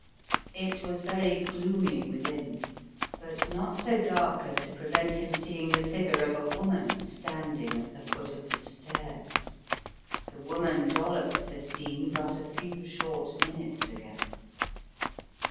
It was very gloomy within, but not so dark as to prevent him seeing the figure of a woman, standing at the foot of the stairs, the woman Dollops had seen but a few short minutes ago.